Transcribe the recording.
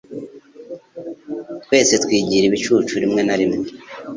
Twese twigira ibicucu rimwe na rimwe.